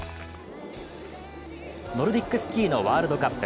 ノルディックスキーのワールドカップ。